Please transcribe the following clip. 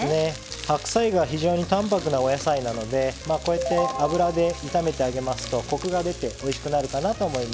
白菜が非常に淡泊なお野菜なのでこうやって油で炒めてあげますとコクが出ておいしくなるかなと思います。